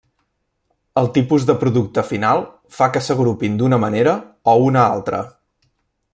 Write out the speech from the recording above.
El tipus de producte final fa que s'agrupin d'una manera o una altra.